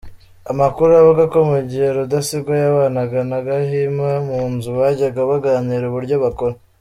Amakuru avugako mugihe Rudasingwa yabanaga na Gahima mu nzu bajyaga baganira uburyo bakora.